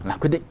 là quyết định